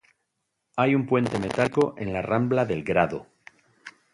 Hay un puente metálico en la rambla del Grado.